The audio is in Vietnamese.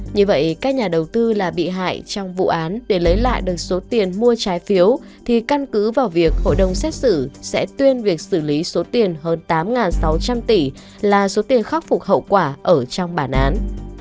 như vậy các nhà đầu tư là bị hại trong vụ án để lấy lại được số tiền mua trái phiếu thì căn cứ vào việc hội đồng xét xử sẽ tuyên việc xử lý số tiền hơn tám sáu trăm linh tỷ là số tiền khắc phục hậu quả ở trong bản án